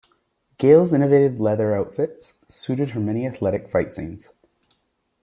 Gale's innovative leather outfits suited her many athletic fight scenes.